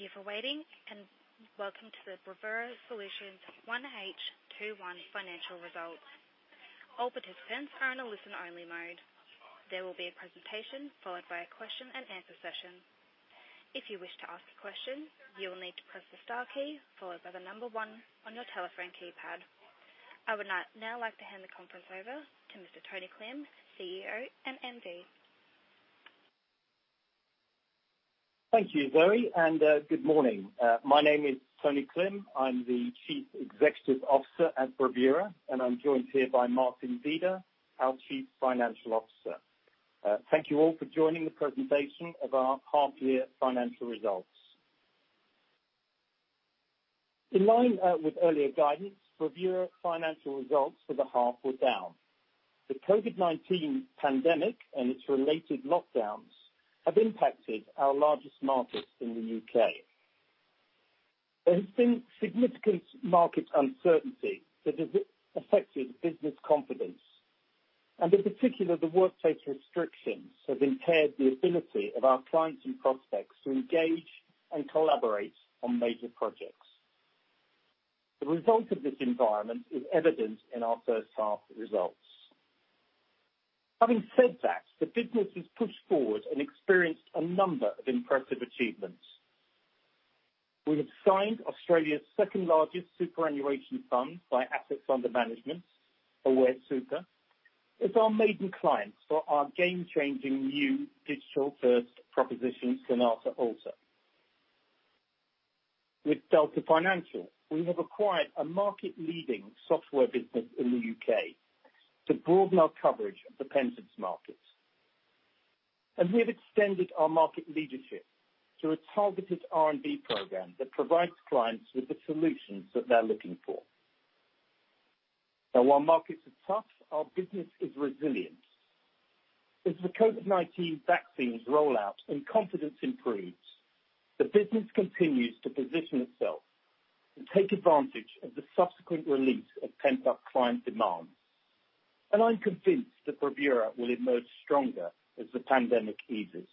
Thank you for waiting, and welcome to the Bravura Solutions H1 2021 Financial Results. All participants are in a listen-only mode. There will be a presentation followed by a question and answer session. If you wish to ask a question, you will need to press the star key followed by the number one on your telephone keypad. I would now like to hand the conference over to Mr. Tony Klim, CEO and MD. Thank you, Zoe, and good morning. My name is Tony Klim. I'm the Chief Executive Officer at Bravura, and I'm joined here by Martin Deda, our Chief Financial Officer. Thank you all for joining the presentation of our half-year financial results. In line with earlier guidance, Bravura financial results for the half were down. The COVID-19 pandemic and its related lockdowns have impacted our largest markets in the U.K. There has been significant market uncertainty that has affected business confidence, and in particular, the workplace restrictions have impaired the ability of our clients and prospects to engage and collaborate on major projects. The result of this environment is evident in our first half results. Having said that, the business has pushed forward and experienced a number of impressive achievements. We have signed Australia's second-largest superannuation fund by assets under management, Aware Super, as our maiden client for our game-changing new digital-first proposition, Sonata Alta. With Delta Financial, we have acquired a market-leading software business in the U.K. to broaden our coverage of the pensions markets. We have extended our market leadership through a targeted R&D program that provides clients with the solutions that they're looking for. Now while markets are tough, our business is resilient. As the COVID-19 vaccines roll out and confidence improves, the business continues to position itself and take advantage of the subsequent release of pent-up client demand. I'm convinced that Bravura will emerge stronger as the pandemic eases.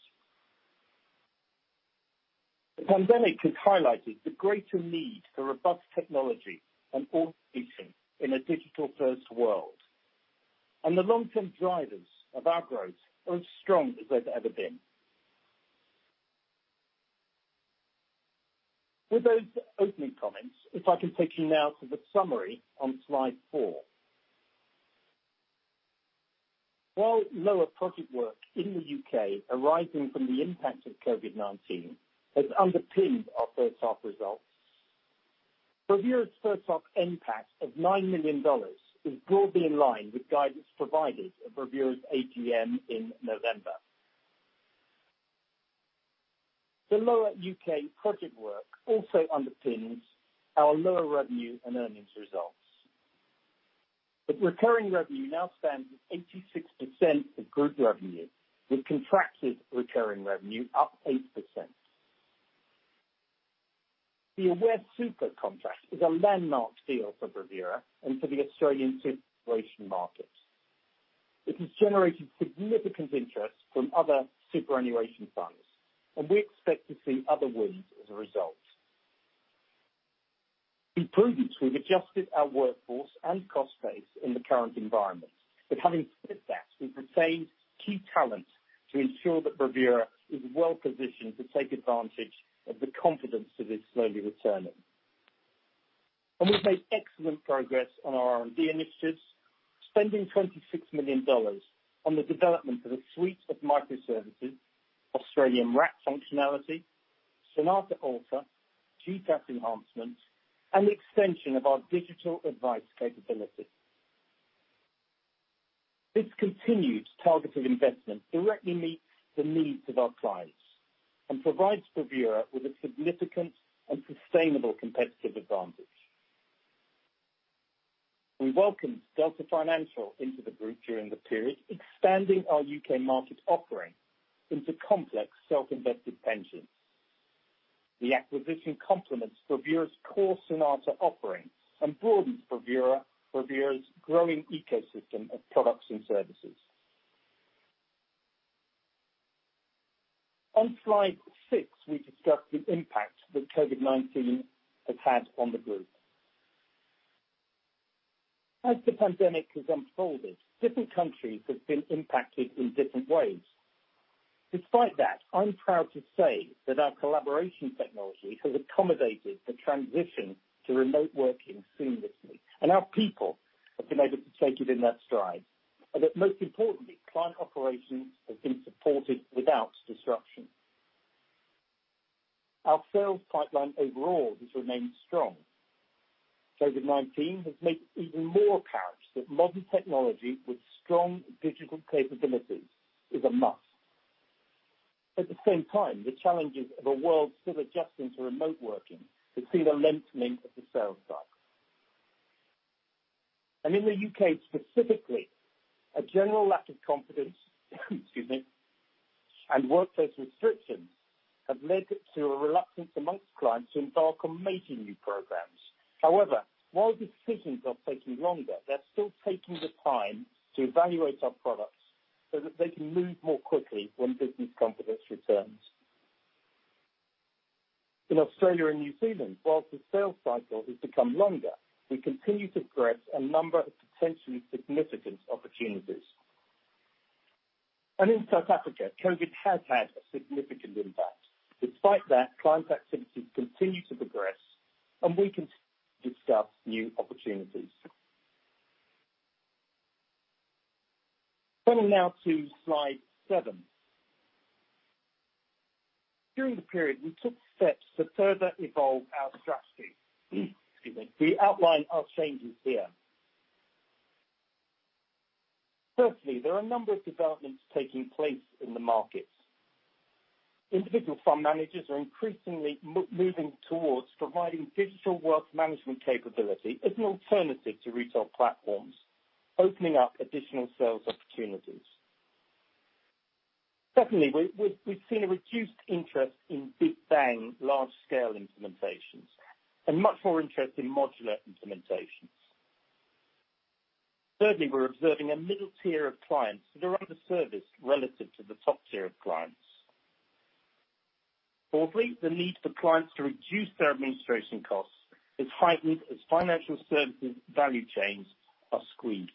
The pandemic has highlighted the greater need for robust technology and automation in a digital-first world. The long-term drivers of our growth are as strong as they've ever been. With those opening comments, if I can take you now to the summary on slide four. While lower project work in the U.K. arising from the impact of COVID-19 has underpinned our first half results, Bravura's first half NPAT of 9 million dollars is broadly in line with guidance provided at Bravura's AGM in November. The lower U.K. project work also underpins our lower revenue and earnings results. Recurring revenue now stands at 86% of group revenue, with contracted recurring revenue up 8%. The Aware Super contract is a landmark deal for Bravura and for the Australian superannuation market. It has generated significant interest from other superannuation funds, and we expect to see other wins as a result. In prudence, we've adjusted our workforce and cost base in the current environment. Having said that, we've retained key talent to ensure that Bravura is well positioned to take advantage of the confidence that is slowly returning. We've made excellent progress on our R&D initiatives, spending 26 million dollars on the development of a suite of microservices, Australian wrap functionality, Sonata Alta, GTAS enhancements, and the extension of our digital advice capability. This continued targeted investment directly meets the needs of our clients and provides Bravura with a significant and sustainable competitive advantage. We welcomed Delta Financial into the group during the period, expanding our U.K. market offering into complex self-invested pensions. The acquisition complements Bravura's core Sonata offering and broadens Bravura's growing ecosystem of products and services. On slide six, we discuss the impact that COVID-19 has had on the group. As the pandemic has unfolded, different countries have been impacted in different ways. Despite that, I'm proud to say that our collaboration technology has accommodated the transition to remote working seamlessly, and our people have been able to take it in their stride. That most importantly, client operations have been supported without disruption. Our sales pipeline overall has remained strong. COVID-19 has made it even more apparent that modern technology with strong digital capabilities is a must. At the same time, the challenges of a world still adjusting to remote working has seen a lengthening of the sales cycle. In the U.K. specifically, a general lack of confidence, excuse me, and workplace restrictions have led to a reluctance amongst clients to embark on major new programs. However, while decisions are taking longer, they're still taking the time to evaluate our products so that they can move more quickly when business confidence returns. In Australia and New Zealand, whilst the sales cycle has become longer, we continue to progress a number of potentially significant opportunities. In South Africa, COVID has had a significant impact. Despite that, client activities continue to progress, and we continue to discuss new opportunities. Coming now to Slide seven. Excuse me. We outline our changes here. Firstly, there are a number of developments taking place in the markets. Individual fund managers are increasingly moving towards providing digital wealth management capability as an alternative to retail platforms, opening up additional sales opportunities. Secondly, we've seen a reduced interest in big bang, large-scale implementations and much more interest in modular implementations. Thirdly, we're observing a middle tier of clients that are underserved relative to the top tier of clients. Fourthly, the need for clients to reduce their administration costs is heightened as financial services value chains are squeezed.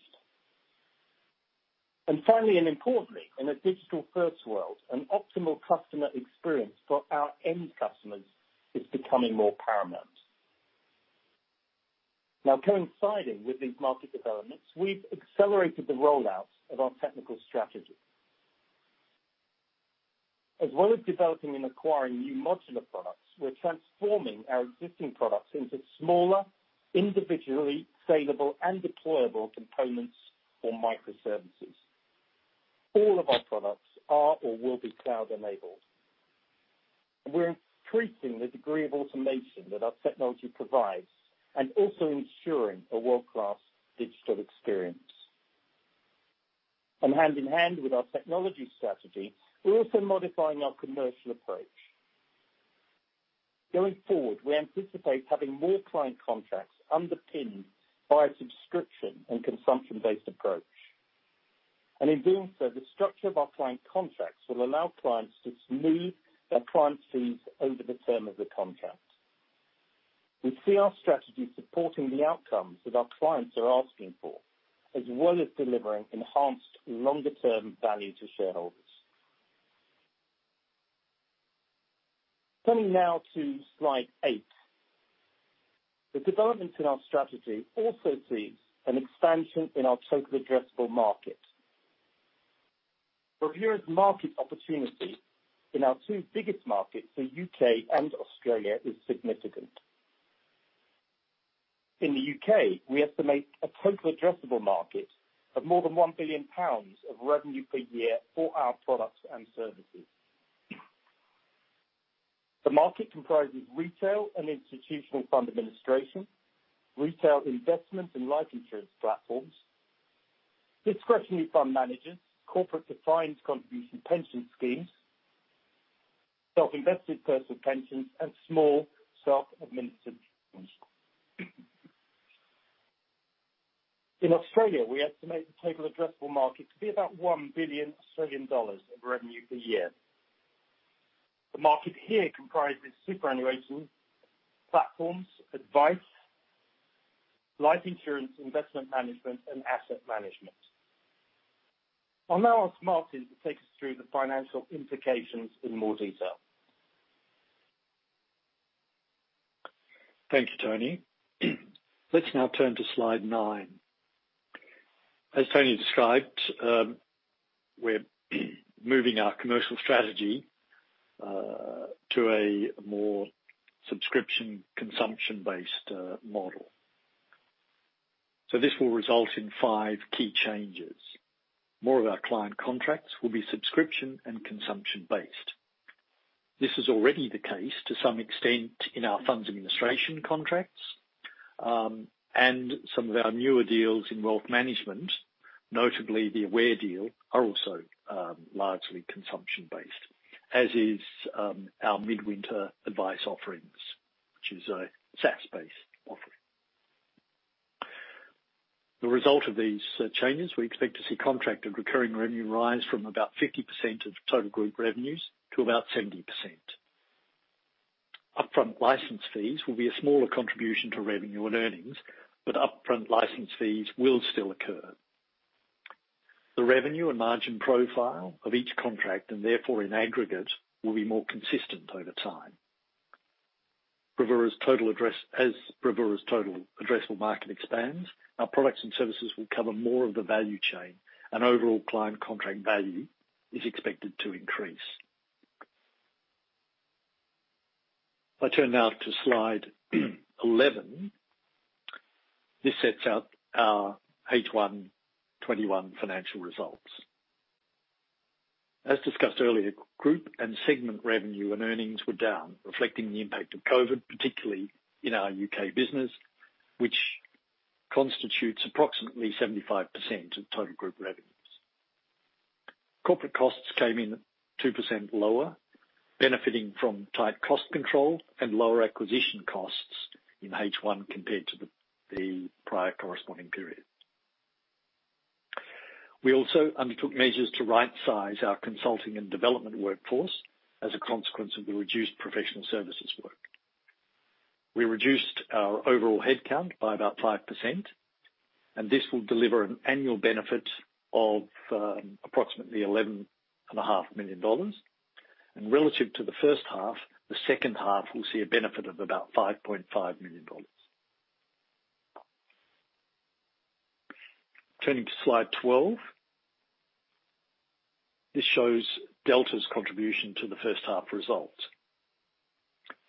Finally, and importantly, in a digital-first world, an optimal customer experience for our end customers is becoming more paramount. Now, coinciding with these market developments, we've accelerated the rollout of our technical strategy. As well as developing and acquiring new modular products, we're transforming our existing products into smaller, individually salable, and deployable components or microservices. All of our products are or will be cloud-enabled. We're increasing the degree of automation that our technology provides and also ensuring a world-class digital experience. Hand-in-hand with our technology strategy, we're also modifying our commercial approach. Going forward, we anticipate having more client contracts underpinned by a subscription and consumption-based approach. In doing so, the structure of our client contracts will allow clients to smooth their client fees over the term of the contract. We see our strategy supporting the outcomes that our clients are asking for, as well as delivering enhanced longer-term value to shareholders. Coming now to Slide eight. The developments in our strategy also sees an expansion in our total addressable market. Bravura's market opportunity in our two biggest markets, the U.K. and Australia, is significant. In the U.K., we estimate a total addressable market of more than 1 billion pounds of revenue per year for our products and services. The market comprises retail and institutional fund administration, retail investment and life insurance platforms, discretionary fund managers, corporate defined contribution pension schemes, self-invested personal pensions, and small self-administered pensions. In Australia, we estimate the total addressable market to be about 1 billion Australian dollars of revenue per year. The market here comprises superannuation platforms, advice, life insurance, investment management, and asset management. I'll now ask Martin to take us through the financial implications in more detail. Thank you, Tony. Let's now turn to Slide nine. As Tony described, we're moving our commercial strategy to a more subscription, consumption-based model. This will result in five key changes. More of our client contracts will be subscription and consumption-based. This is already the case to some extent in our funds administration contracts, and some of our newer deals in wealth management, notably the Aware deal, are also largely consumption-based, as is our Midwinter advice offerings, which is a SaaS-based offering. The result of these changes, we expect to see contracted recurring revenue rise from about 50% of total group revenues to about 70%. Upfront license fees will be a smaller contribution to revenue and earnings, but upfront license fees will still occur. The revenue and margin profile of each contract, and therefore in aggregate, will be more consistent over time. As Bravura's total addressable market expands, our products and services will cover more of the value chain and overall client contract value is expected to increase. If I turn now to Slide 11, this sets out our H1 2021 financial results. As discussed earlier, group and segment revenue and earnings were down, reflecting the impact of COVID-19, particularly in our U.K. business, which constitutes approximately 75% of total group revenues. Corporate costs came in at 2% lower, benefiting from tight cost control and lower acquisition costs in H1 compared to the prior corresponding period. We also undertook measures to right-size our consulting and development workforce as a consequence of the reduced professional services work. We reduced our overall headcount by about 5%, this will deliver an annual benefit of approximately 11.5 million dollars. Relative to the first half, the second half will see a benefit of about 5.5 million dollars. Turning to slide 12. This shows Delta's contribution to the first half results.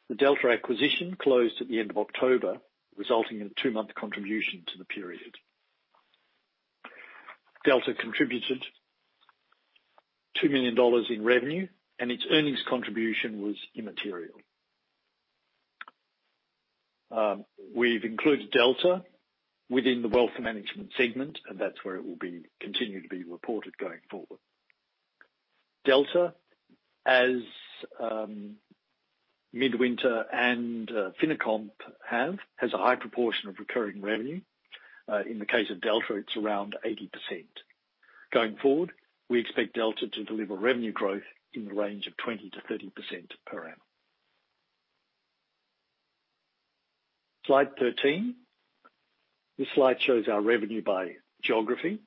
The Delta acquisition closed at the end of October, resulting in a two-month contribution to the period. Delta contributed 2 million dollars in revenue. Its earnings contribution was immaterial. We've included Delta within the Wealth Management segment. That's where it will continue to be reported going forward. Delta, as Midwinter and FinoComp have, has a high proportion of recurring revenue. In the case of Delta, it's around 80%. Going forward, we expect Delta to deliver revenue growth in the range of 20%-30% per annum. Slide 13. This slide shows our revenue by geography.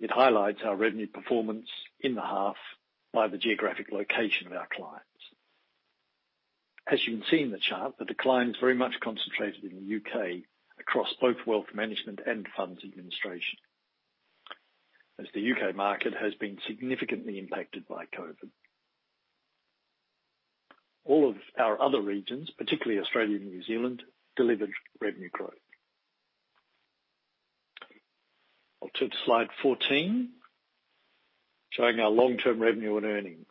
It highlights our revenue performance in the half by the geographic location of our clients. As you can see in the chart, the decline is very much concentrated in the U.K. across both wealth management and funds administration, as the U.K. market has been significantly impacted by COVID-19. All of our other regions, particularly Australia and New Zealand, delivered revenue growth. I'll turn to slide 14, showing our long-term revenue and earnings.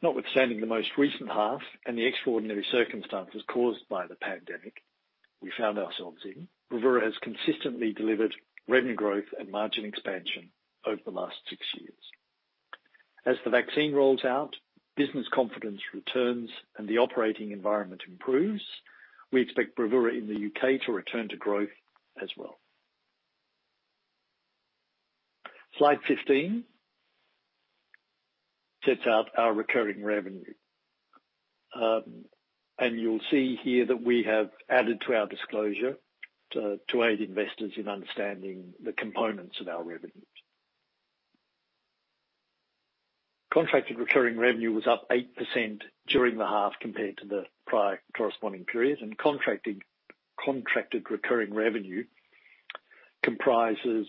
Notwithstanding the most recent half and the extraordinary circumstances caused by the pandemic we found ourselves in, Bravura has consistently delivered revenue growth and margin expansion over the last six years. As the vaccine rolls out, business confidence returns, and the operating environment improves, we expect Bravura in the U.K. to return to growth as well. Slide 15 sets out our recurring revenue. You'll see here that we have added to our disclosure to aid investors in understanding the components of our revenues. Contracted recurring revenue was up 8% during the half compared to the prior corresponding period. Contracted recurring revenue comprises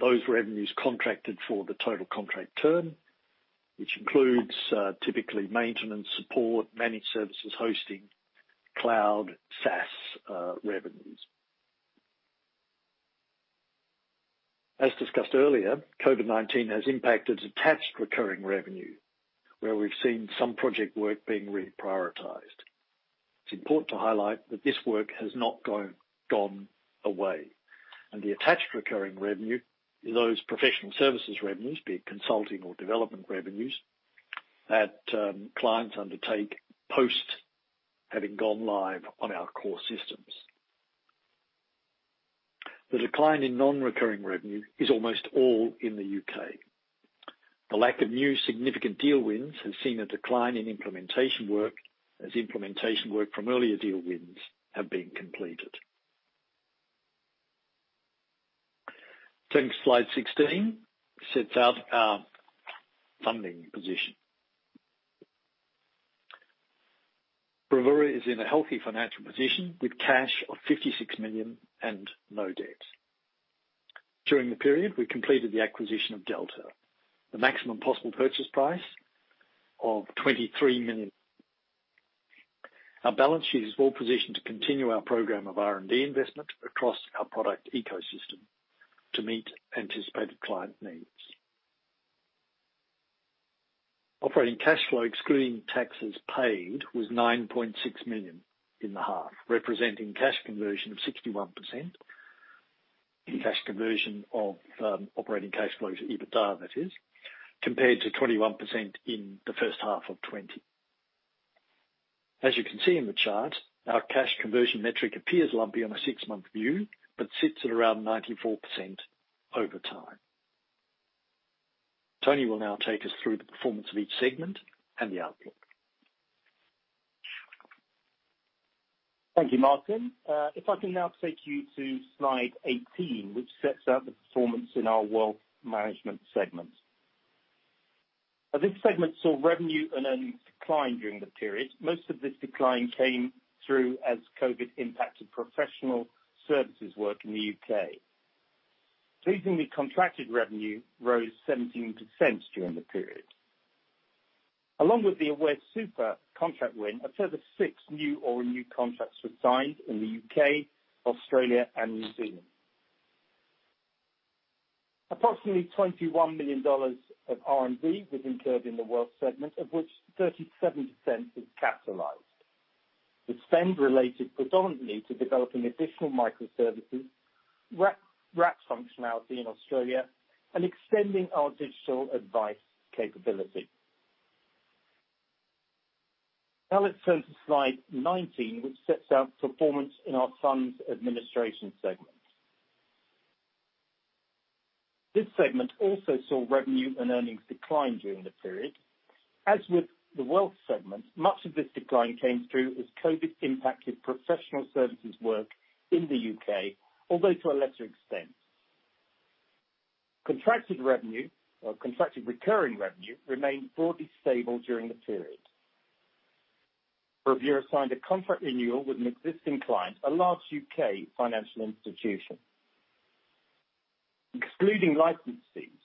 those revenues contracted for the total contract term, which includes, typically, maintenance, support, managed services, hosting, cloud, SaaS revenues. As discussed earlier, COVID-19 has impacted attached recurring revenue, where we've seen some project work being reprioritized. It's important to highlight that this work has not gone away, and the attached recurring revenue, those professional services revenues, be it consulting or development revenues, that clients undertake post having gone live on our core systems. The decline in non-recurring revenue is almost all in the U.K. The lack of new significant deal wins has seen a decline in implementation work, as implementation work from earlier deal wins have been completed. Turning to slide 16, sets out our funding position. Bravura is in a healthy financial position with cash of 56 million and no debt. During the period, we completed the acquisition of Delta. The maximum possible purchase price of 23 million. Our balance sheet is well-positioned to continue our program of R&D investment across our product ecosystem to meet anticipated client needs. Operating cash flow, excluding taxes paid, was 9.6 million in the half, representing cash conversion of 61%. Cash conversion of operating cash flows, or EBITDA, that is, compared to 21% in the first half of 2020. As you can see in the chart, our cash conversion metric appears lumpy on a six-month view but sits at around 94% over time. Tony will now take us through the performance of each segment and the outlook. Thank you, Martin. If I can now take you to slide 18, which sets out the performance in our Wealth Management segment. This segment saw revenue and earnings decline during the period. Most of this decline came through as COVID-19 impacted professional services work in the U.K. Pleasingly, contracted revenue rose 17% during the period. Along with the Aware Super contract win, a further six new or renewed contracts were signed in the U.K., Australia, and New Zealand. Approximately 21 million dollars of R&D was incurred in the Wealth segment, of which 37% is capitalized. The spend related predominantly to developing additional microservices, wrap functionality in Australia, and extending our digital advice capability. Now let's turn to slide 19, which sets out performance in our Funds Administration segment. This segment also saw revenue and earnings decline during the period. As with the wealth segment, much of this decline came through as COVID-19 impacted professional services work in the U.K., although to a lesser extent. Contracted revenue or contracted recurring revenue remained broadly stable during the period. Bravura signed a contract renewal with an existing client, a large U.K. financial institution. Excluding license fees,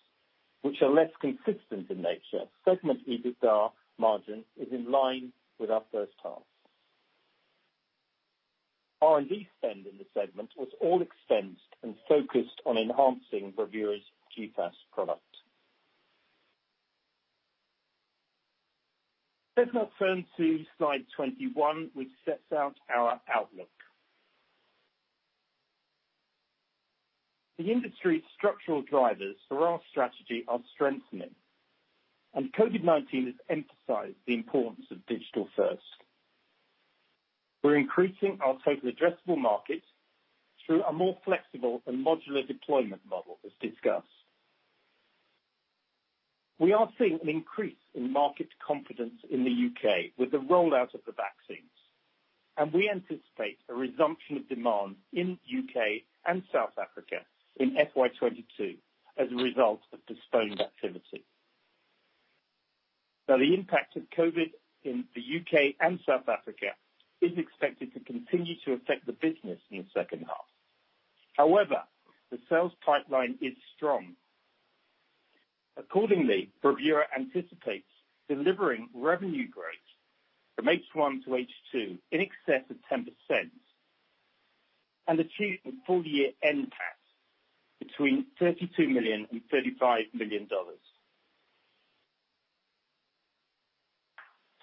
which are less consistent in nature, segment EBITDA margin is in line with our first half. R&D spend in the segment was all expensed and focused on enhancing Bravura's GTAS product. Let's now turn to slide 21, which sets out our outlook. The industry structural drivers for our strategy are strengthening. COVID-19 has emphasized the importance of digital first. We're increasing our total addressable market through a more flexible and modular deployment model, as discussed. We are seeing an increase in market confidence in the U.K. with the rollout of the vaccines, and we anticipate a resumption of demand in U.K. and South Africa in FY 2022 as a result of postponed activity. Now the impact of COVID in the U.K. and South Africa is expected to continue to affect the business in the second half. However, the sales pipeline is strong. Accordingly, Bravura anticipates delivering revenue growth from H1 to H2 in excess of 10% and achieving full-year NPAT between AUD 32 million and AUD 35 million.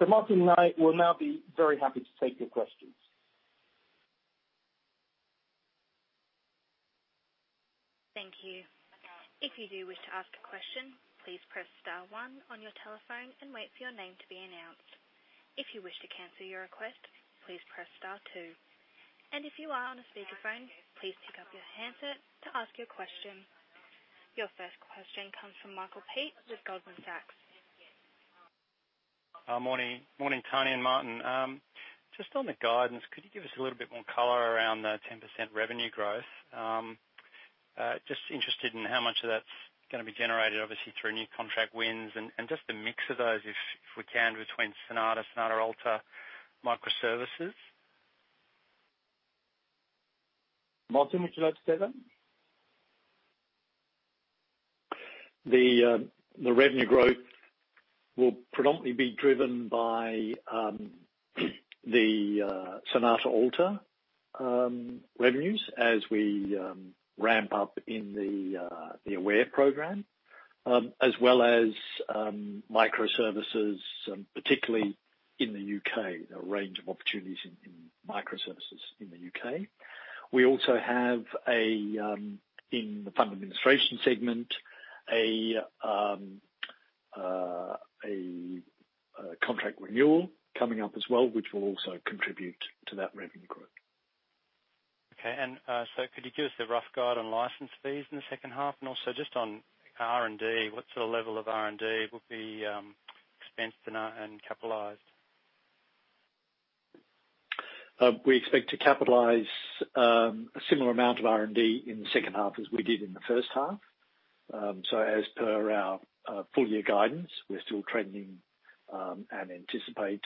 Martin and I will now be very happy to take your questions. Thank you. If you do wish to ask a question, please press star one on your telephone and wait for your name to be announced. If you wish to cancel your request, please press star two. And if you are on a speakerphone, please pick up your handset to ask your question. Your first question comes from Michael Peet with Goldman Sachs. Morning, Tony and Martin. Just on the guidance, could you give us a little bit more color around the 10% revenue growth? Just interested in how much of that's going to be generated, obviously, through new contract wins and just the mix of those, if we can, between Sonata Alta, microservices. Martin, would you like to take that? The revenue growth will predominantly be driven by the Sonata Alta revenues as we ramp up in the Aware program, as well as microservices, particularly in the U.K. There are a range of opportunities in microservices in the U.K. We also have, in the fund administration segment, a contract renewal coming up as well, which will also contribute to that revenue growth. Okay. could you give us a rough guide on license fees in the second half? also just on R&D, what sort of level of R&D will be expensed and capitalized? We expect to capitalize a similar amount of R&D in the second half as we did in the first half. As per our full-year guidance, we're still trending and anticipate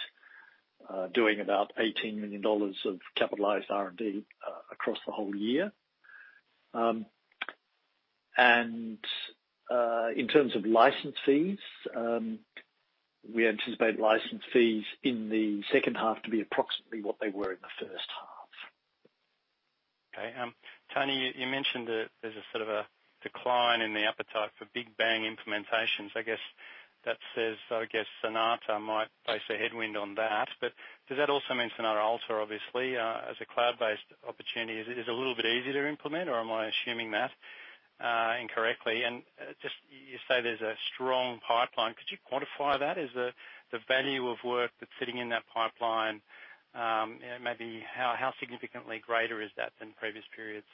doing about 18 million dollars of capitalized R&D across the whole year. In terms of license fees, we anticipate license fees in the second half to be approximately what they were in the first half. Okay. Tony, you mentioned that there's a sort of a decline in the appetite for big bang implementations. I guess that says Sonata might face a headwind on that. Does that also mean Sonata Alta, obviously, as a cloud-based opportunity, is a little bit easier to implement, or am I assuming that incorrectly? Just you say there's a strong pipeline. Could you quantify that? Is the value of work that's sitting in that pipeline, maybe how significantly greater is that than previous periods?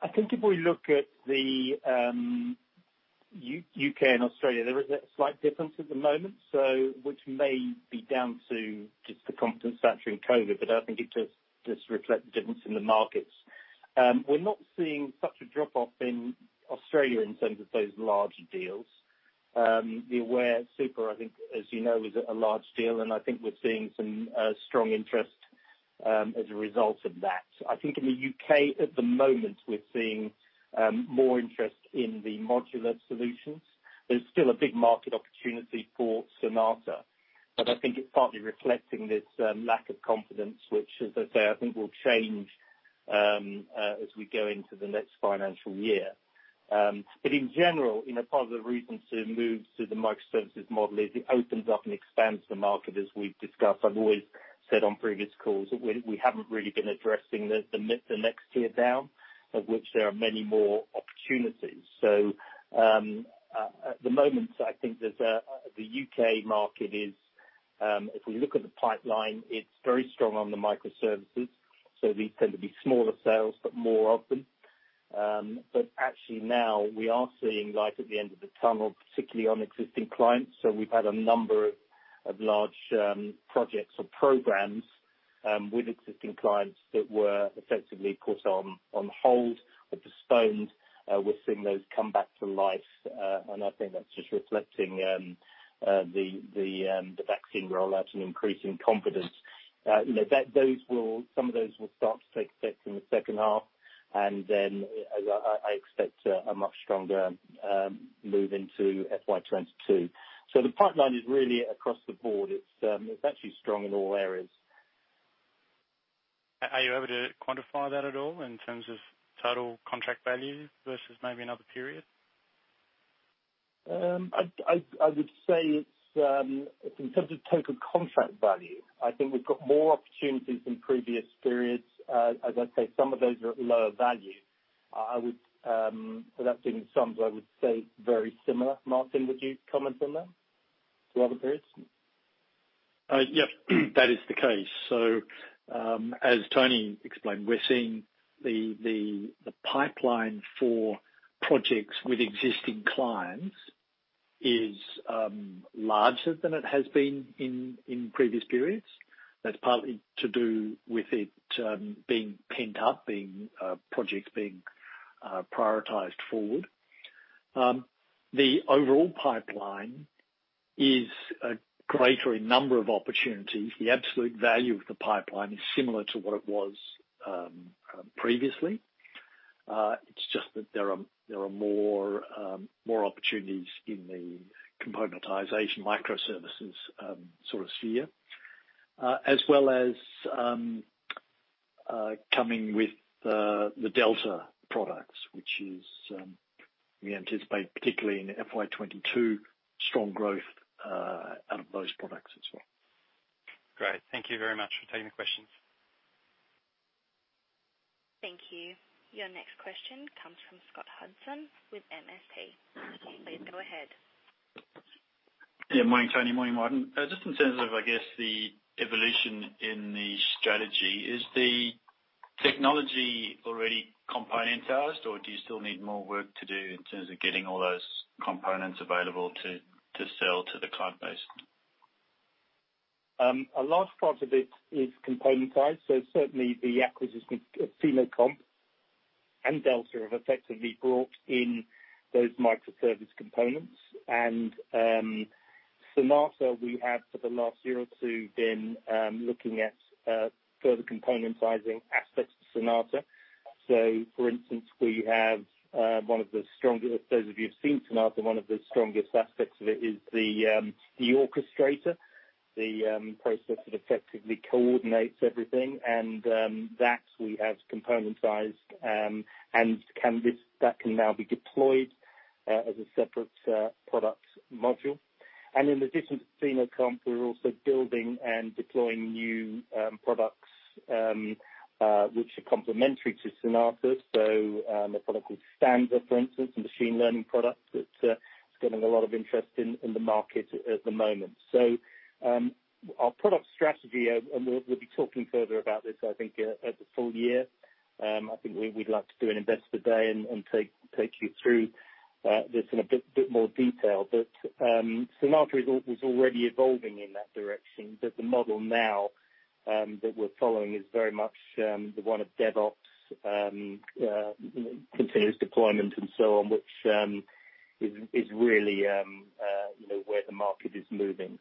I think if we look at the U.K. and Australia, there is a slight difference at the moment, which may be down to just the confidence factor in COVID, but I think it just reflects the difference in the markets. We're not seeing such a drop-off in Australia in terms of those larger deals. The Aware Super, I think, as you know, is a large deal, and I think we're seeing some strong interest as a result of that. I think in the U.K. at the moment, we're seeing more interest in the modular solutions. There's still a big market opportunity for Sonata, but I think it's partly reflecting this lack of confidence, which, as I say, I think will change as we go into the next financial year. In general, part of the reason to move to the microservices model is it opens up and expands the market, as we've discussed. I've always said on previous calls that we haven't really been addressing the next tier down, of which there are many more opportunities. At the moment, I think that the U.K. market is, if we look at the pipeline, it's very strong on the microservices. These tend to be smaller sales, but more of them. Actually now we are seeing light at the end of the tunnel, particularly on existing clients. we've had a number of large projects or programs with existing clients that were effectively put on hold or postponed. We're seeing those come back to life. I think that's just reflecting the vaccine rollout and increase in confidence. Some of those will start to take effect in the second half, and then I expect a much stronger move into FY 2022. The pipeline is really across the board. It's actually strong in all areas. Are you able to quantify that at all in terms of total contract value versus maybe another period? I would say in terms of total contract value, I think we've got more opportunities than previous periods. As I say, some of those are at lower value. Adding sums, I would say very similar. Martin, would you comment on that to other periods? Yes, that is the case. As Tony explained, we're seeing the pipeline for projects with existing clients is larger than it has been in previous periods. That's partly to do with it being pent up, projects being prioritized forward. The overall pipeline is a greater number of opportunities. The absolute value of the pipeline is similar to what it was previously. It's just that there are more opportunities in the componentization microservices sort of sphere, as well as coming with the Delta products, which we anticipate, particularly in FY22, strong growth out of those products as well. Great. Thank you very much for taking the questions. Thank you. Your next question comes from Scott Hudson with MST. Please go ahead. Yeah. Morning, Tony. Morning, Martin. Just in terms of the evolution in the strategy, is the technology already componentized, or do you still need more work to do in terms of getting all those components available to sell to the cloud base? A large part of it is componentized. Certainly the acquisition of FinoComp and Delta have effectively brought in those microservice components. Sonata, we have for the last year or two been looking at further componentizing aspects of Sonata. For instance, those of you who've seen Sonata, one of the strongest aspects of it is the orchestrator, the process that effectively coordinates everything, and that we have componentized, and that can now be deployed as a separate product module. In addition to FinoComp, we're also building and deploying new products which are complementary to Sonata. A product called Stanza, for instance, a machine learning product that's getting a lot of interest in the market at the moment. Our product strategy, and we'll be talking further about this, I think, at the full year. I think we'd like to do an investor day and take you through this in a bit more detail. Sonata was already evolving in that direction. The model now that we're following is very much the one of DevOps, continuous deployment, and so on, which is really where the market is moving.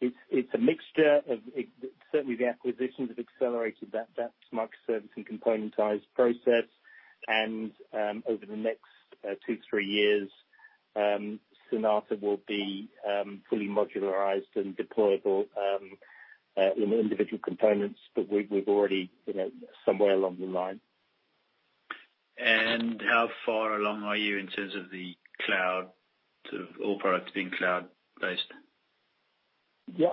It's a mixture of. Certainly the acquisitions have accelerated that microservice and componentized process. Over the next two, three years, Sonata will be fully modularized and deployable in individual components. We're already somewhere along the line. How far along are you in terms of the cloud, all products being cloud-based? Yeah.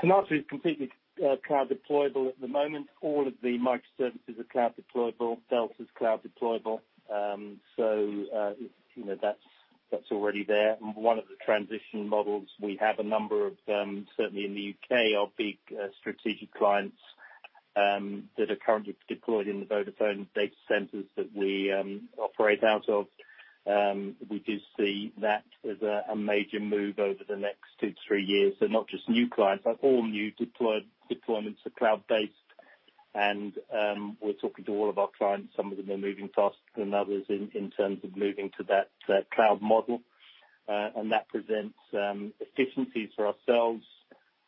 Sonata is completely cloud deployable at the moment. All of the microservices are cloud deployable. Delta is cloud deployable. That's already there. One of the transition models we have a number of, certainly in the U.K., our big strategic clients that are currently deployed in the Vodafone data centers that we operate out of. We do see that as a major move over the next two to three years. Not just new clients, but all new deployments are cloud based, and we're talking to all of our clients. Some of them are moving faster than others in terms of moving to that cloud model. That presents efficiencies for ourselves.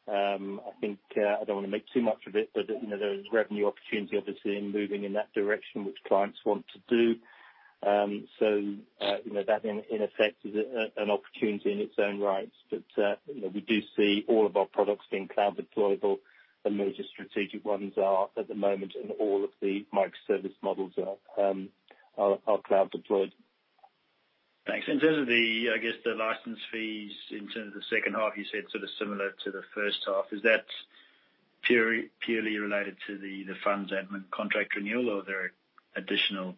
I don't want to make too much of it, but there's revenue opportunity, obviously, in moving in that direction, which clients want to do. That in effect is an opportunity in its own right. we do see all of our products being cloud deployable. The major strategic ones are at the moment, and all of the microservice models are cloud deployed. Thanks. In terms of the license fees in terms of the second half, you said similar to the first half, is that purely related to the funds admin contract renewal or are there additional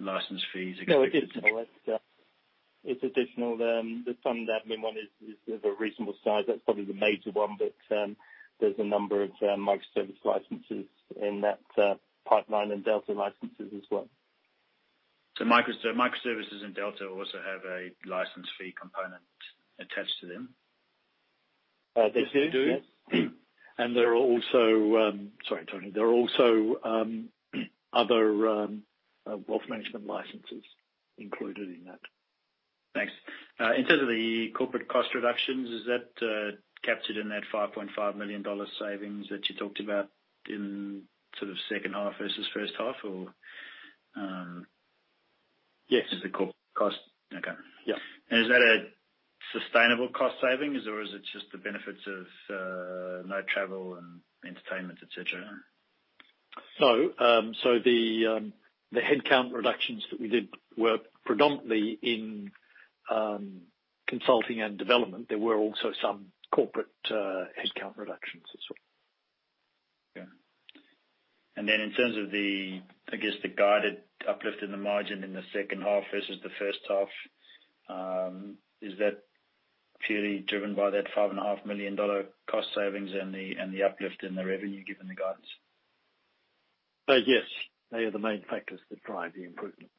license fees? It's additional. The funds admin one is of a reasonable size. That's probably the major one, but there's a number of microservice licenses in that pipeline and Delta licenses as well. Microservices and Delta also have a license fee component attached to them? They do. They do. There are also, sorry, Tony. There are also other wealth management licenses included in that. Thanks. In terms of the corporate cost reductions, is that captured in that 5.5 million dollar savings that you talked about in sort of second half versus first half or- Yes. Is it cost? Okay. Yeah. Is that a sustainable cost savings or is it just the benefits of no travel and entertainment, et cetera? No. The headcount reductions that we did were predominantly in consulting and development. There were also some corporate headcount reductions as well. Yeah. In terms of the guided uplift in the margin in the second half versus the first half, is that purely driven by that 5.5 million dollar cost savings and the uplift in the revenue, given the guidance? Yes. They are the main factors that drive the improvement.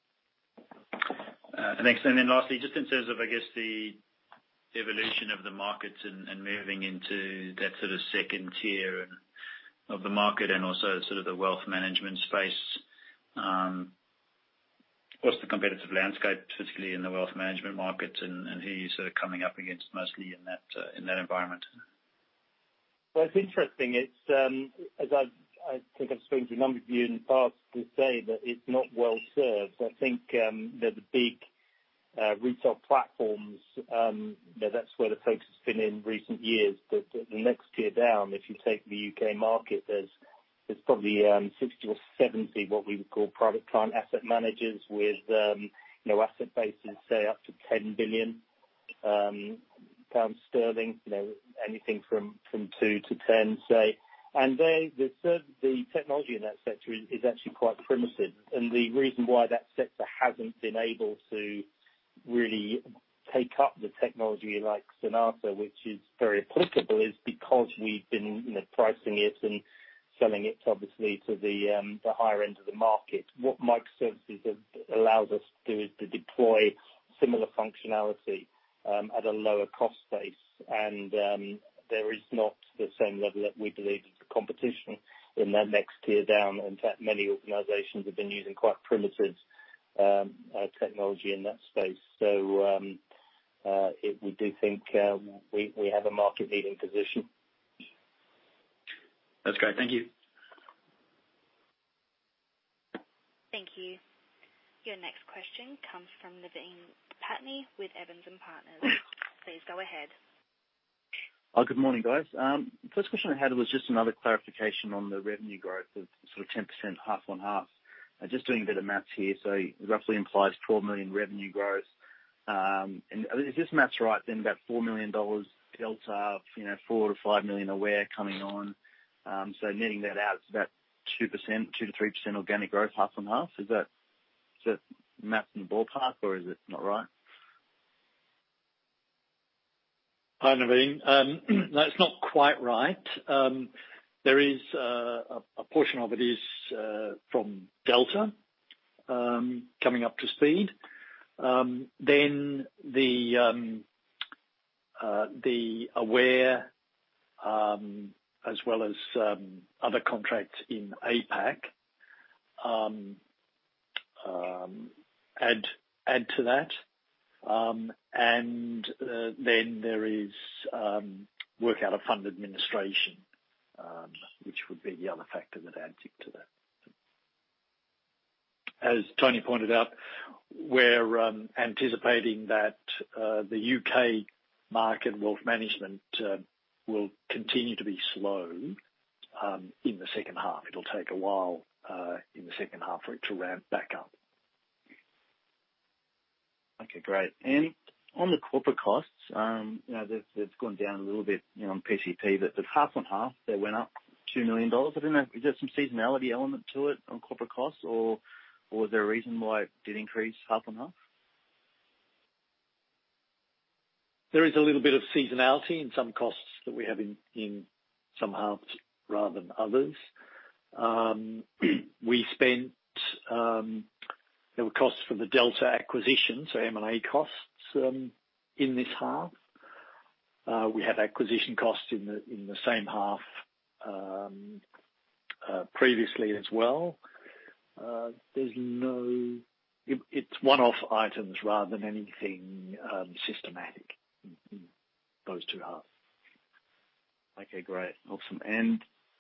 Thanks. Lastly, just in terms of the evolution of the markets and moving into that sort of second tier of the market and also sort of the wealth management space, what's the competitive landscape, particularly in the wealth management markets and who you're sort of coming up against mostly in that environment? Well, it's interesting. As I think I've spoken to a number of you in the past to say that it's not well-served. I think that the big retail platforms, that's where the focus has been in recent years. The next tier down, if you take the U.K. market, there's probably 60 or 70, what we would call private client asset managers with asset bases, say, up to 10 billion pounds, anything from 2-10, say. The technology in that sector is actually quite primitive. The reason why that sector hasn't been able to really take up the technology like Sonata, which is very applicable, is because we've been pricing it and selling it obviously to the higher end of the market. What microservices have allowed us to do is to deploy similar functionality at a lower cost base. There is not the same level that we believe is the competition in that next tier down. In fact, many organizations have been using quite primitive technology in that space. We do think we have a market-leading position. That's great. Thank you. Thank you. Your next question comes from Naveen Patney with Evans & Partners. Please go ahead. Oh, good morning, guys. First question I had was just another clarification on the revenue growth of sort of 10% half on half. Just doing a bit of math here, so it roughly implies 12 million revenue growth. If this math's right, then about 4 million dollars delta, 4 million-5 million Aware coming on. Netting that out, it's about 2%-3% organic growth half on half. Is that math in the ballpark or is it not right? Hi, Naveen. That's not quite right. A portion of it is from Delta coming up to speed. The Aware, as well as other contracts in APAC add to that. There is work out of fund administration, which would be the other factor that adds into that. As Tony pointed out, we're anticipating that the U.K. market and wealth management will continue to be slow in the second half. It'll take a while in the second half for it to ramp back up. Okay, great. On the corporate costs, they've gone down a little bit on PCP, but half on half, they went up 2 million dollars. I don't know, is there some seasonality element to it on corporate costs, or is there a reason why it did increase half on half? There is a little bit of seasonality in some costs that we have in some halves rather than others. There were costs for the Delta acquisition, so M&A costs in this half. We had acquisition costs in the same half previously as well. It's one-off items rather than anything systematic in those two halves. Okay, great. Awesome.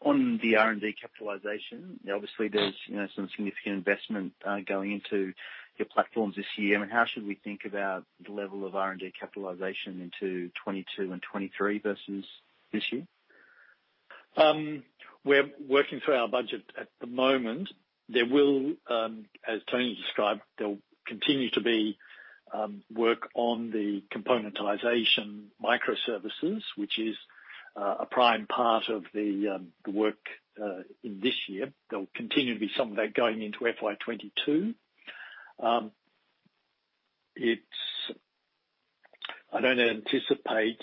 On the R&D capitalization, obviously there's some significant investment going into your platforms this year. I mean, how should we think about the level of R&D capitalization into 2022 and 2023 versus this year? We're working through our budget at the moment. As Tony described, there will continue to be work on the componentization microservices, which is a prime part of the work in this year. There will continue to be some of that going into FY 2022. I don't anticipate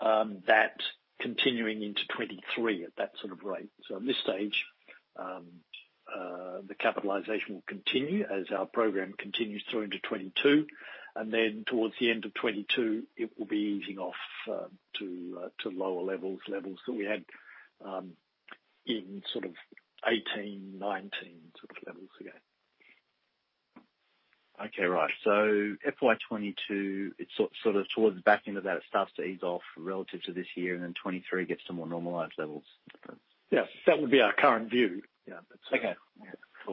that continuing into 2023 at that sort of rate. At this stage, the capitalization will continue as our program continues through into 2022, and then towards the end of 2022, it will be easing off to lower levels that we had in sort of 2018, 2019, sort of levels again. Okay. Right. FY 2022, it's sort of towards the back end of that, it starts to ease off relative to this year, and then 2023 gets to more normalized levels. Yes. That would be our current view. Yeah. Okay.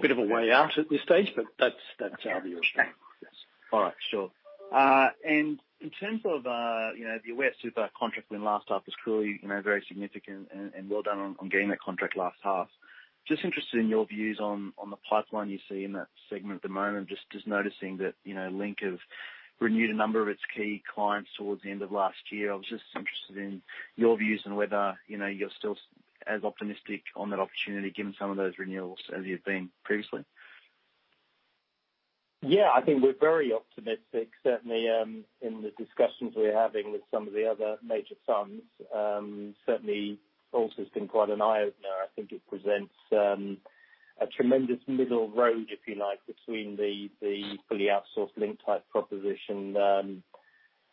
Bit of a way out at this stage, but that's our view. All right. Sure. In terms of the Aware Super contract win last half was clearly very significant and well done on getting that contract last half. Just interested in your views on the pipeline you see in that segment at the moment. Just noticing that Link have renewed a number of its key clients towards the end of last year. I was just interested in your views on whether you're still as optimistic on that opportunity, given some of those renewals, as you've been previously. Yeah, I think we're very optimistic, certainly, in the discussions we're having with some of the other major funds. Certainly, Alta's been quite an eye-opener. I think it presents a tremendous middle road, if you like, between the fully outsourced Link type proposition.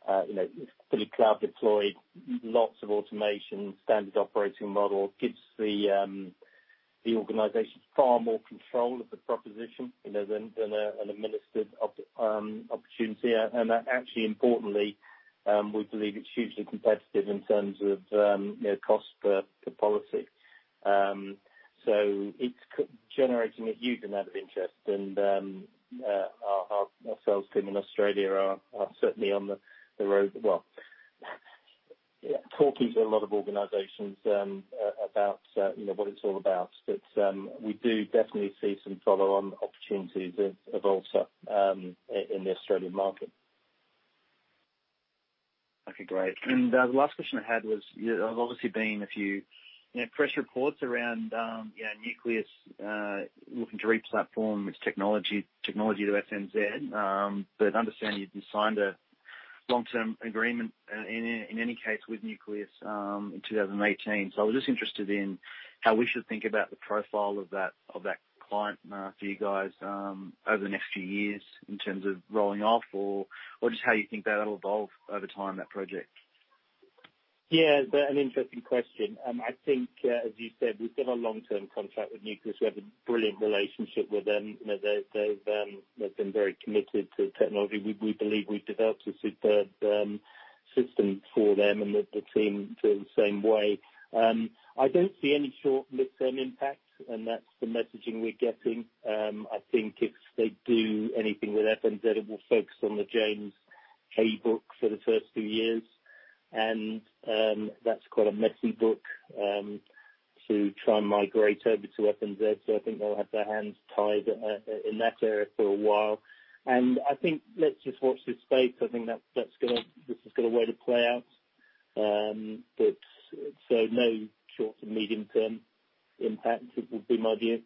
It's fully cloud deployed, lots of automation, standard operating model. Gives the organization far more control of the proposition, than an administered opportunity. Actually, importantly, we believe it's hugely competitive in terms of cost per policy. It's generating a huge amount of interest, and our sales team in Australia are certainly on the road. Well, talking to a lot of organizations about what it's all about. We do definitely see some follow-on opportunities of Alta in the Australian market. Okay. Great. The last question I had was, there's obviously been a few press reports around Nucleus looking to re-platform its technology to FNZ. I understand you've signed a long-term agreement in any case with Nucleus in 2018. I was just interested in how we should think about the profile of that client for you guys over the next few years in terms of rolling off or just how you think that'll evolve over time, that project. Yeah, an interesting question. I think, as you said, we've got a long-term contract with Nucleus. We have a brilliant relationship with them. They've been very committed to technology. We believe we've developed a superb system for them, and the team feel the same way. I don't see any short- or midterm impact, and that's the messaging we're getting. I think if they do anything with FNZ, it will focus on the James Hay book for the first few years. That's quite a messy book to try and migrate over to FNZ. I think they'll have their hands tied in that area for a while. I think let's just watch this space. I think this has got a way to play out. No short- to medium-term impact would be my view.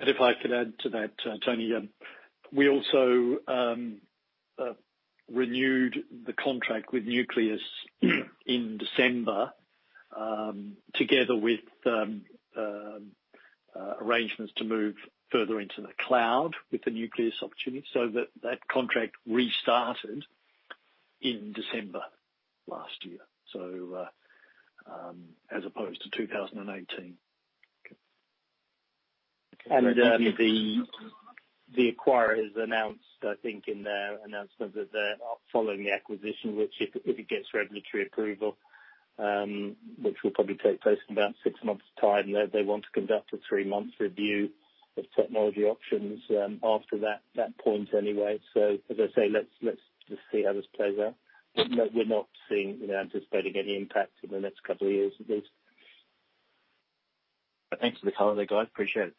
If I could add to that, Tony. We also renewed the contract with Nucleus in December together with arrangements to move further into the cloud with the Nucleus opportunity, so that contract restarted in December last year, as opposed to 2018. Okay. The acquirers announced, I think, in their announcement that they're following the acquisition, which if it gets regulatory approval, which will probably take place in about six months' time. They want to conduct a three-month review of technology options after that point anyway. As I say, let's just see how this plays out. We're not anticipating any impact in the next couple of years at least. Thanks for the color there, guys. Appreciate it.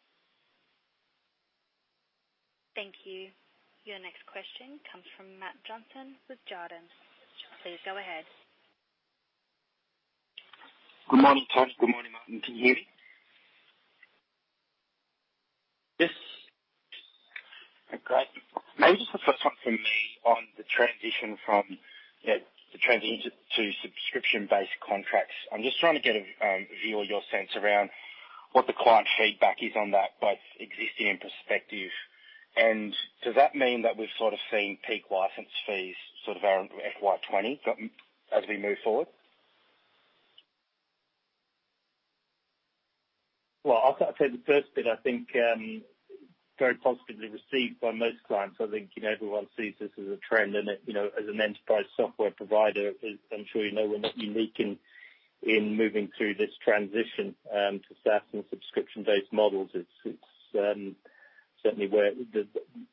Thank you. Your next question comes from Mark Johnson with Jarden. Please go ahead. Good morning, Tony. Good morning, Martin. Can you hear me? Yes. Okay. Maybe just the first one from me on the transition to subscription-based contracts. I'm just trying to get a view of your sense around what the client feedback is on that, both existing and prospective. Does that mean that we've sort of seen peak license fees sort of our FY 2020 as we move forward? I'll say the first bit, I think very positively received by most clients. I think everyone sees this as a trend, and as an enterprise software provider, as I'm sure you know, we're not unique in moving through this transition to SaaS and subscription-based models. Certainly where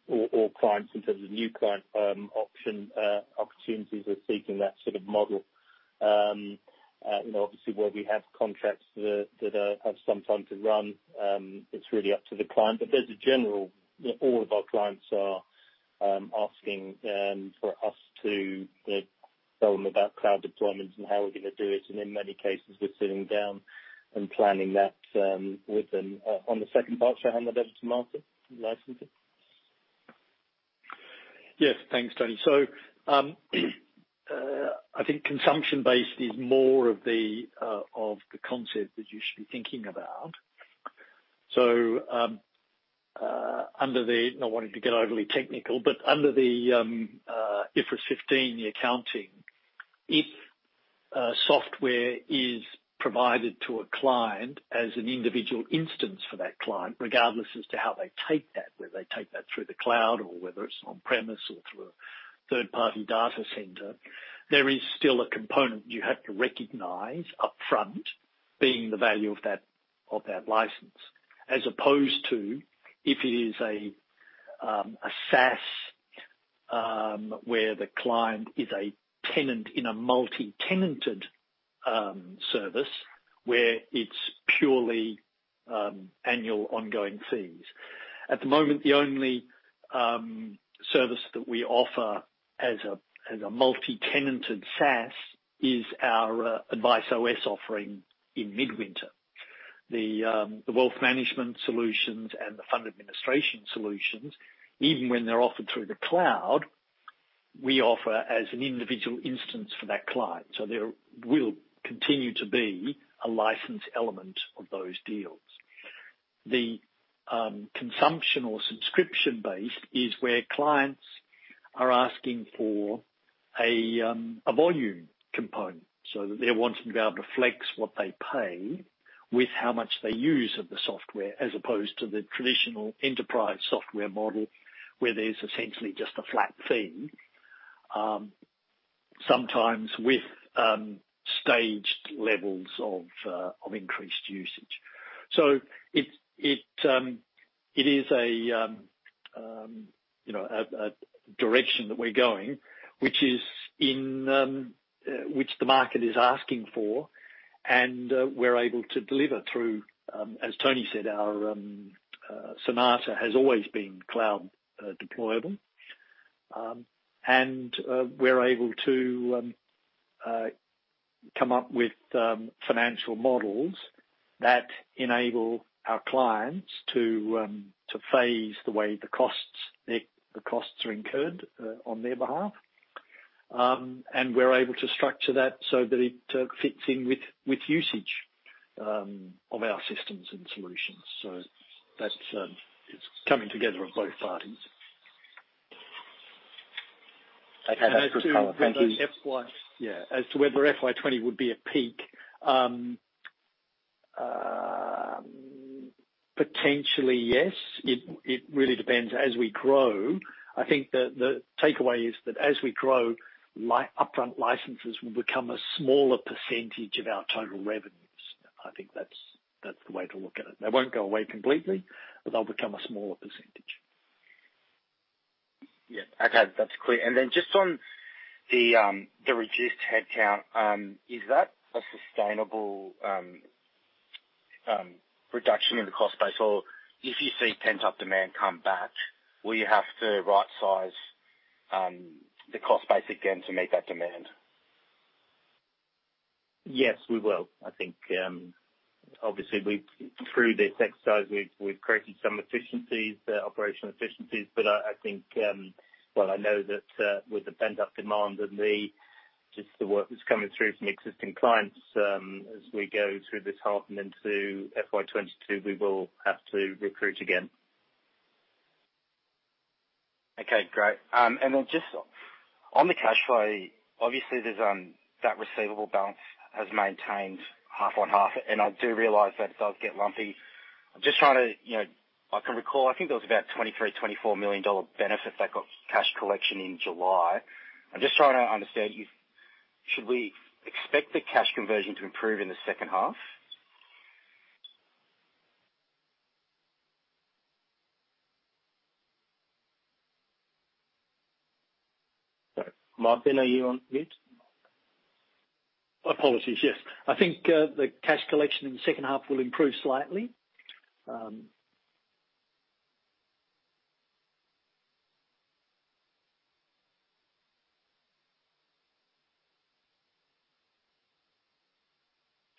all clients in terms of new client opportunities are seeking that sort of model. Obviously, where we have contracts that have some time to run, it's really up to the client. All of our clients are asking for us to tell them about cloud deployments and how we're going to do it. In many cases, we're sitting down and planning that with them. On the second part, Martin, about the market licensing? Yes, thanks, Tony. I think consumption-based is more of the concept that you should be thinking about. Not wanting to get overly technical, but under the IFRS 15, the accounting, if software is provided to a client as an individual instance for that client, regardless as to how they take that, whether they take that through the cloud or whether it's on-premise or through a third-party data center, there is still a component you have to recognize upfront, being the value of that license. As opposed to if it is a SaaS, where the client is a tenant in a multi-tenanted service where it's purely annual ongoing fees. At the moment, the only service that we offer as a multi-tenanted SaaS is our AdviceOS offering in Midwinter. The wealth management solutions and the fund administration solutions, even when they're offered through the cloud, we offer as an individual instance for that client. There will continue to be a license element of those deals. The consumption or subscription-based is where clients are asking for a volume component. They're wanting to be able to flex what they pay with how much they use of the software, as opposed to the traditional enterprise software model, where there's essentially just a flat fee, sometimes with staged levels of increased usage. It is a direction that we're going, which the market is asking for, and we're able to deliver through, as Tony said, our Sonata has always been cloud deployable. We're able to come up with financial models that enable our clients to phase the way the costs are incurred on their behalf. We're able to structure that so that it fits in with usage of our systems and solutions. That's coming together of both parties. Okay, that's clear. Thank you. Yeah. As to whether FY 2020 would be a peak. Potentially, yes. It really depends. As we grow, I think the takeaway is that as we grow, upfront licenses will become a smaller percentage of our total revenues. I think that's the way to look at it. They won't go away completely, but they'll become a smaller percentage. Yeah. Okay, that's clear. Just on the reduced headcount, is that a sustainable reduction in the cost base? Or if you see pent-up demand come back, will you have to rightsize the cost base again to meet that demand? Yes, we will. I think, obviously, through this exercise, we’ve created some efficiencies, operational efficiencies. I think, well, I know that with the pent-up demand and just the work that’s coming through from existing clients as we go through this half and into FY 2022, we will have to recruit again. Okay, great. Then just on the cash flow, obviously, that receivable balance has maintained half on half. I do realize that does get lumpy. I can recall, I think there was about 23 million-24 million dollar benefit that got cash collection in July. I'm just trying to understand, should we expect the cash conversion to improve in the second half? Martin, are you on mute? Apologies. Yes. I think the cash collection in the second half will improve slightly.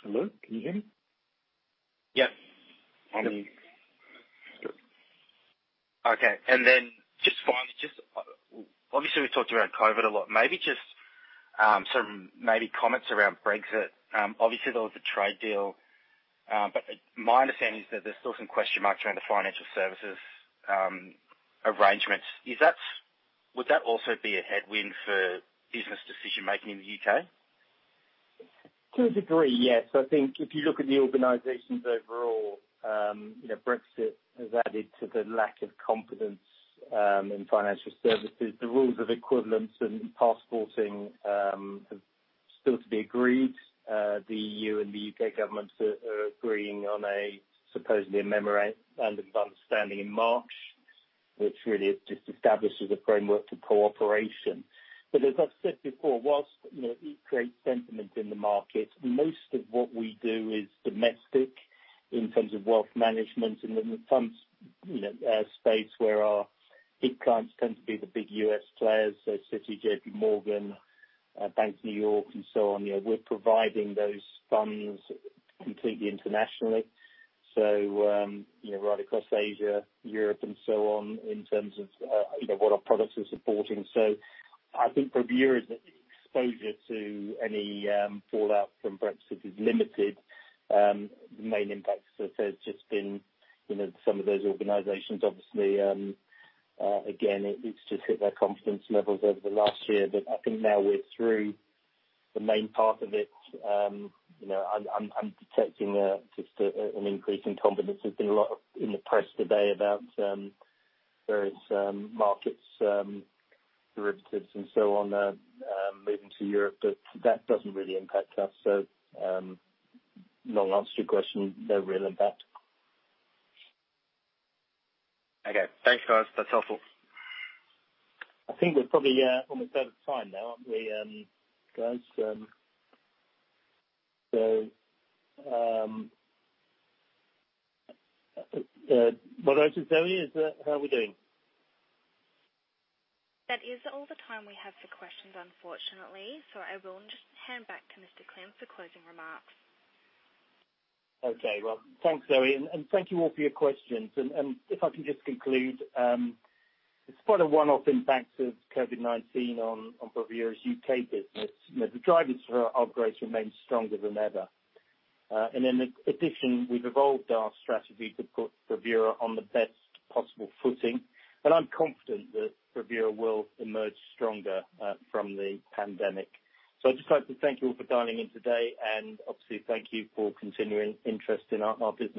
Hello, can you hear me? Yeah. Yep. Okay. Just finally, obviously, we talked around COVID a lot. Maybe just some comments around Brexit. Obviously, there was a trade deal. My understanding is that there's still some question marks around the financial services arrangements. Would that also be a headwind for business decision-making in the U.K.? To a degree, yes. I think if you look at the organizations overall, Brexit has added to the lack of confidence in financial services. The rules of equivalence and passporting still to be agreed. The EU and the U.K. governments are agreeing on a supposedly memorandum of understanding in March, which really just establishes a framework for cooperation. As I’ve said before, whilst it creates sentiment in the market, most of what we do is domestic in terms of wealth management and in the funds space where our big clients tend to be the big U.S. players, Citi, JPMorgan, Bank of New York, and so on. We’re providing those funds completely internationally. Right across Asia, Europe, and so on, in terms of what our products are supporting. I think Bravura’s exposure to any fallout from Brexit is limited. The main impact, as I said, has just been some of those organizations, obviously, again, it's just hit their confidence levels over the last year. I think now we're through the main part of it. I'm detecting just an increase in confidence. There's been a lot in the press today about various markets, derivatives, and so on, moving to Europe, but that doesn't really impact us. Long answer to your question, no real impact. Okay. Thanks, guys. That's helpful. I think we're probably almost out of time now, aren't we, guys? How are we doing? That is all the time we have for questions, unfortunately. I will just hand back to Mr. Klim for closing remarks. Okay. Well, thanks, Zoe, and thank you all for your questions. If I can just conclude, despite a one-off impact of COVID-19 on Bravura's U.K. business, the drivers for our upgrades remain stronger than ever. In addition, we've evolved our strategy to put Bravura on the best possible footing, and I'm confident that Bravura will emerge stronger from the pandemic. I'd just like to thank you all for dialing in today, and obviously, thank you for continuing interest in our business.